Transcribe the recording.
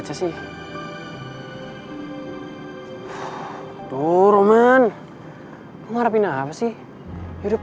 yang penting damai jalan berlalu di tempat ibu